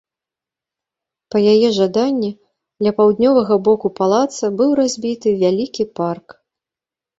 Па яе жаданні, ля паўднёвага боку палаца быў разбіты вялікі парк.